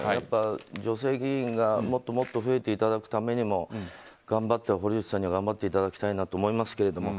女性議員がもっともっと増えていただくためにも堀内さんには頑張っていただきたいなと思いますけれども。